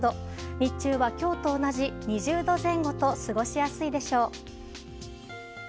日中は、今日と同じ２０度前後と過ごしやすいでしょう。